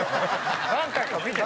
何回か見てた。